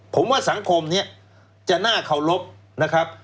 ผมว่าสังคมนี้จะน่าเคารพนะครับ